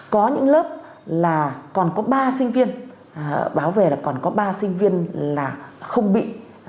có những lớp là còn có ba sinh viên báo về là còn có ba sinh viên là không bị